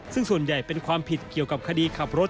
ซึ่งส่วนใหญ่เป็นความผิดเกี่ยวกับคดีขับรถ